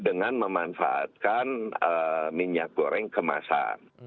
dengan memanfaatkan minyak goreng kemasan